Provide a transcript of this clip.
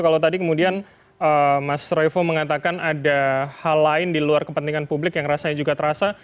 kalau tadi kemudian mas revo mengatakan ada hal lain di luar kepentingan publik yang rasanya juga terasa